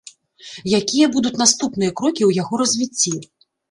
Якія будуць наступныя крокі ў яго развіцці?